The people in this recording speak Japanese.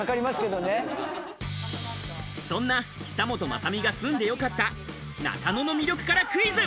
そんな久本雅美が住んでよかった中野の魅力からクイズ。